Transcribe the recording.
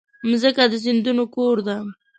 مځکه د سیندونو کور ده.